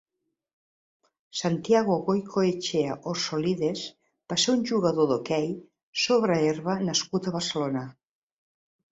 Santiago Goicoechea Orsolides va ser un jugador d'hoquei sobre herba nascut a Barcelona.